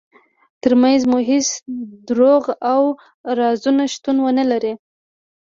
ترمنځ مو هیڅ دروغ او رازونه شتون ونلري.